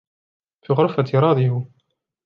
في غرفتي راديو.